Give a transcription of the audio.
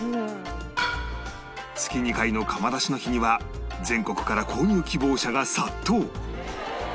月２回の窯出しの日には全国から購入希望者が殺到